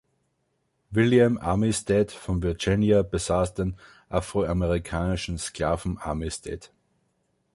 William Armistead von Virginia besaß den afroamerikanischen Sklaven Armistead.